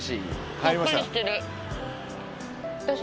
さっぱりしてる。